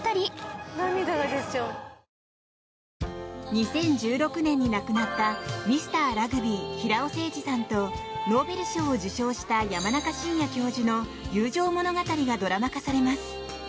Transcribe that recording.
２０１６年に亡くなったミスターラグビー平尾誠二さんとノーベル賞を受賞した山中伸弥教授の友情物語がドラマ化されます。